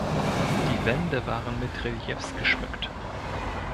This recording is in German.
Die Wände waren mit Reliefs geschmückt.